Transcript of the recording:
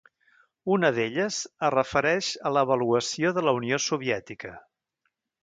Una d'elles es refereix a l'avaluació de la Unió Soviètica.